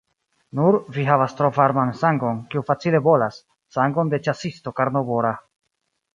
Nur, vi havas tro varman sangon, kiu facile bolas: sangon de ĉasisto karnovora.